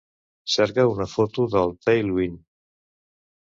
Cerca una foto del Tailwind